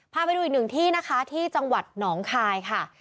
พาไปดูอีกหนึ่งที่นะคะที่จังหวัดหนองคายค่ะ